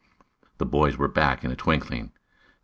The boys were back in a twinkling.